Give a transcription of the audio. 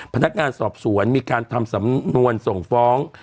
พนักงานสอบสวนมีการทำสำนวนส่งฟ้อง